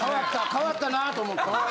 変わったなと思って。